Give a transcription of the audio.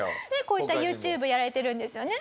こういったＹｏｕＴｕｂｅやられてるんですよね？